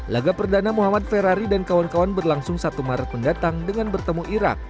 laga perdana muhammad ferrari dan kawan kawan berlangsung satu maret mendatang dengan bertemu irak